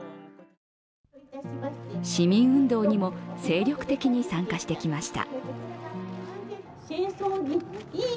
市民運動にも精力的に参加してきました。